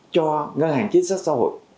cho ngân hàng chính sách xã hội